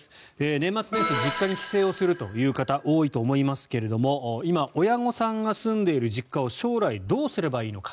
年末年始実家に帰省をするという方多いと思いますが今、親御さんが住んでいる実家を将来どうすればいいのか。